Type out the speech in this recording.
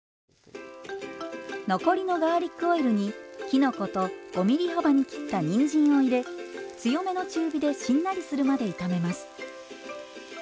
残りのガーリックオイルにきのこと５ｍｍ幅に切ったにんじんを入れ強めの中火でしんなりするまで炒めます。